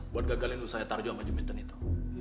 buat gagalin usaha tarjo sama juminten itu